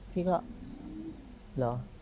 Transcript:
พี่ก็เหรอ